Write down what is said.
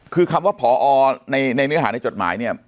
คือคำว่าพอในเนื้อหาในจดหมายเนี่ย